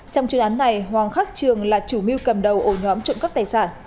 trong chuyên án này hoàng khắc trường là chủ mưu cầm đầu ổ nhóm trộm cắp tài sản